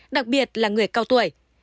đặc biệt là người cao tuổi